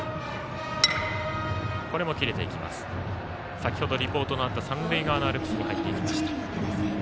先ほどリポートのあった三塁側のアルプスを映していました。